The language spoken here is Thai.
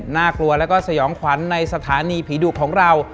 น่ากลัวแล้วก็สยองขวัญในสถานีผีดุของเรา